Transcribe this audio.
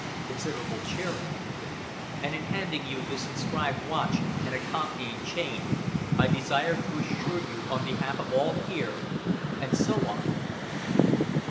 (Considerable cheering.) "And in handing you this inscribed watch and accompanying chain, I desire to assure you on behalf of all here" and so on.